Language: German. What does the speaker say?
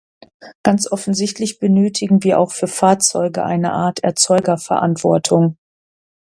Ganz offensichtlich benötigen wir auch für Fahrzeuge eine Art Erzeugerverantwortung.